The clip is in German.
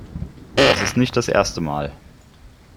Das ist nicht das erste Mal.